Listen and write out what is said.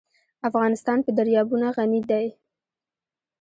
افغانستان په دریابونه غني دی.